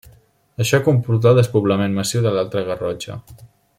Això comportà el despoblament massiu de l'Alta Garrotxa.